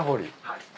はい。